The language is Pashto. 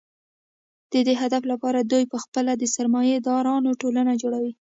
د دې هدف لپاره دوی په خپله د سرمایه دارانو ټولنه جوړوي